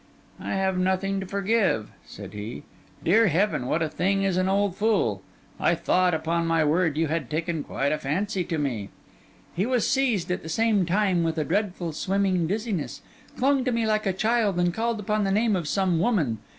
'I have nothing to forgive,' said he. 'Dear heaven, what a thing is an old fool! I thought, upon my word, you had taken quite a fancy to me.' He was seized, at the same time, with a dreadful, swimming dizziness, clung to me like a child, and called upon the name of some woman.